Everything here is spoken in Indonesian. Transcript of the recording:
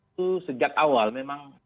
itu sejak awal memang